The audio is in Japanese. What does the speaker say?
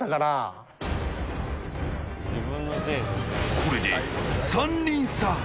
これで３人差。